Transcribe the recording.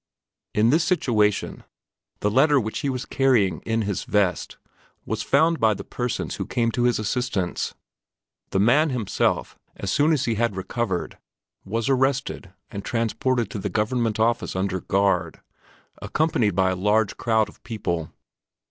In this situation, the letter which he was carrying in his vest was found by the persons who came to his assistance; the man himself, as soon as he had recovered, was arrested and transported to the Government Office under guard, accompanied by a large crowd of people.